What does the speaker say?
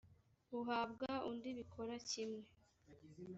uhabwa undi bikora kimwe